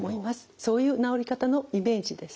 そういう治り方のイメージです。